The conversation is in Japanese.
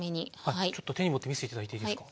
ちょっと手に持って見せて頂いていいですか？